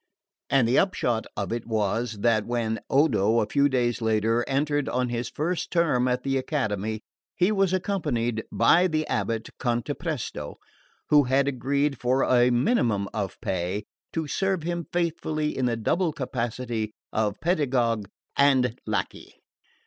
And the upshot of it was that when Odo, a few days later, entered on his first term at the Academy, he was accompanied by the abate Cantapresto, who had agreed, for a minimum of pay, to serve him faithfully in the double capacity of pedagogue and lacquey.